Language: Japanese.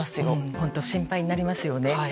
本当、心配なりますよね。